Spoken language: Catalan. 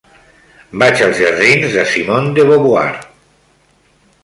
Vaig als jardins de Simone de Beauvoir.